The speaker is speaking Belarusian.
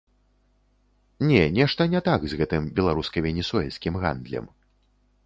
Не, нешта не так з гэтым беларуска-венесуэльскім гандлем.